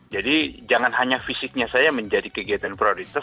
jadi jangan hanya fisiknya saja menjadi kegiatan prioritas